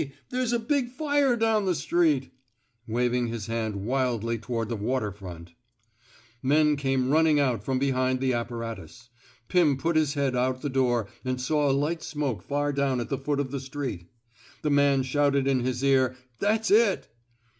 There's a big fire down the street! '' waving his hand wildly toward the water front. Men came running out from behind the apparatus. Pim put his head out the door and saw a light smoke far down at the foot of the street. The man shouted in his ear, '' That's it